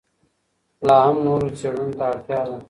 لا هم نورو څېړنو ته اړتیا ده.